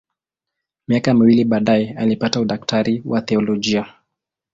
Miaka miwili baadaye alipata udaktari wa teolojia.